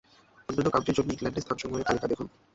অন্যান্য কাউন্টির জন্য ইংল্যান্ডে স্থানসমূহের তালিকা দেখুন।